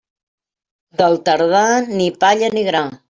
Del tardà, ni palla ni gra.